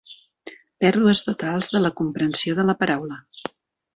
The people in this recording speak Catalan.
Pèrdues totals de la comprensió de la paraula.